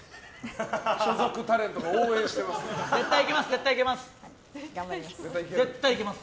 所属タレントが応援してます。